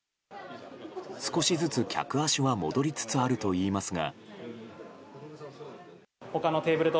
少しずつ客足は戻りつつあるといいますが。